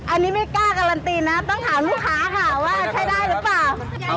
อันนี้ไม่กล้าการันตีนะต้องถามลูกค้าค่ะว่าใช้ได้หรือเปล่า